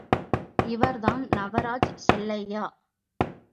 இவர்தான் நவராஜ் செல்லையா.